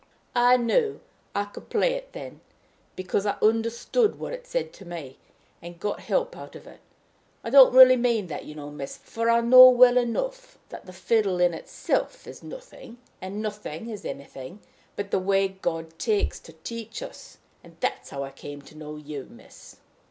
I knew I could play then, because I understood what it said to me, and got help out of it. I don't really mean that, you know, miss; for I know well enough that the fiddle in itself is nothing, and nothing is anything but the way God takes to teach us. And that's how I came to know you, miss."